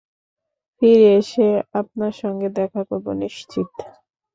ফিরে এসে আপনার সঙ্গে দেখা করব নিশ্চিত।